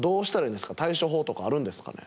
対処法とかあるんですかね？